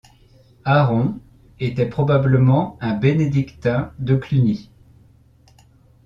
Aron était probablement un bénédictin de Cluny.